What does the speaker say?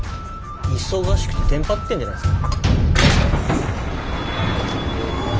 忙しくてテンパってんじゃないですか。